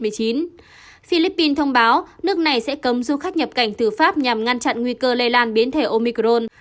philippines thông báo nước này sẽ cấm du khách nhập cảnh từ pháp nhằm ngăn chặn nguy cơ lây lan biến thể omicron